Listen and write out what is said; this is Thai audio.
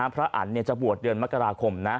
พระอันจะบวชเดือนมกราคม